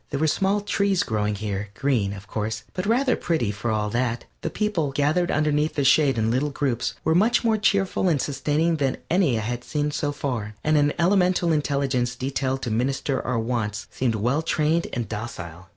There were small trees growing here, green, of course, but rather pretty for all that; the people, gathered under their shade in little groups, were much more cheerful and sustaining than any I had seen so far, and an elemental intelligence detailed to minister to our wants seemed well trained and docile.